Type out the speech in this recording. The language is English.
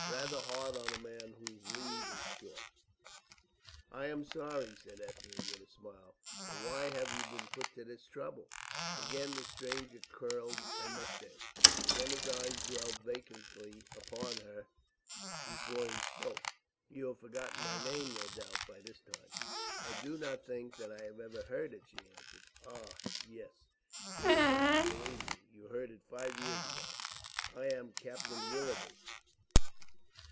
Rather hard on a man whose leave is short!" "I am very sorry," said Ethne, with a smile; "but why have you been put to this trouble?" Again the stranger curled a moustache. Again his eyes dwelt vacantly upon her before he spoke. "You have forgotten my name, no doubt, by this time." "I do not think that I have ever heard it," she answered. "Oh, yes, you have, believe me. You heard it five years ago. I am Captain Willoughby."